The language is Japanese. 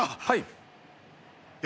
はい。